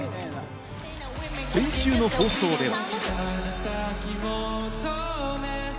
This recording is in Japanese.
先週の放送では。